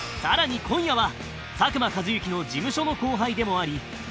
更に今夜は佐久間一行の事務所の後輩でもあり Ｕ